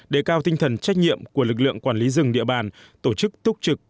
đề cao tinh thần trách nhiệm của lực lượng quản lý rừng địa bàn tổ chức túc trực